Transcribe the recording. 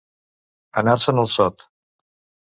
Anar-se'n al sot.